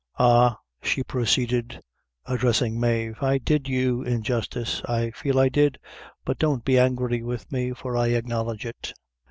Ah," she proceeded, addressing Mave, "I did you injustice I feel I did, but don't be angry with me, for I acknowledge it."